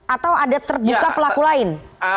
atau ada terbuka pelaku lain